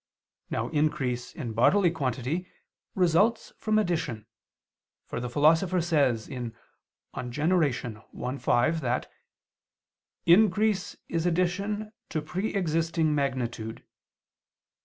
Now increase in bodily quantity results from addition; for the Philosopher says (De Gener. i, 5) that "increase is addition to pre existing magnitude."